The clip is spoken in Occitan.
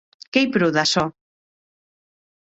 Qu’ei pro d’açò.